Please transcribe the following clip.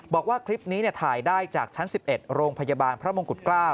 บอกว่าคลิปนี้ถ่ายได้จากชั้น๑๑โรงพยาบาลพระมงกุฎเกล้า